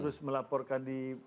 terus melaporkan di